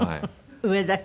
上だけ？